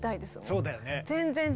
そうだね。